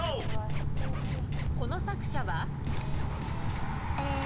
この作者は？え。